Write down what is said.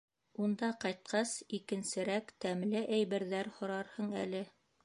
— Унда ҡайтҡас, икенсерәк тәмле әйберҙәр һорарһың әле.